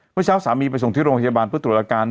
เมื่อเช้าสามีไปส่งที่โรงพยาบาลเพื่อตรวจอาการ